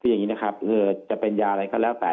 คืออย่างนี้นะครับจะเป็นยาอะไรของน้องลาเบล